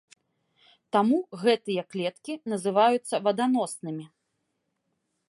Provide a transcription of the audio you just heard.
Таму гэтыя клеткі называюцца ваданоснымі.